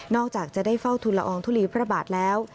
จากจะได้เฝ้าทุลอองทุลีพระบาทแล้ว